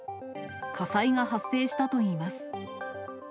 火災が発生したといいます。